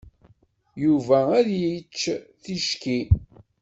Yuba ad yečč ticki.